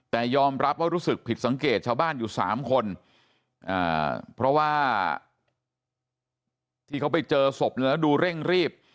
แต่ยอมรับว่ารู้สึกผิดสังเกตชาวบ้านอยู่๓คนเพราะว่าที่เขาไปเจอศพแล้วดูเร่งรีบ